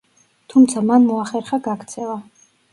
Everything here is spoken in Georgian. თუმცა მან მოახერხა გაქცევა.